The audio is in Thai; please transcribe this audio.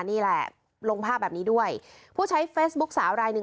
นี่แหละลงภาพแบบนี้ด้วยผู้ใช้เฟซบุ๊คสาวรายหนึ่ง